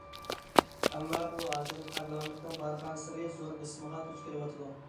ئەمما ئۇ ھازىر پارلامېنتنىڭ بارغانسېرى زور بېسىمىغا دۇچ كېلىۋاتىدۇ.